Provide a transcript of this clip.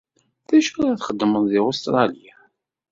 D acu i la txeddmeḍ deg Ustṛalya?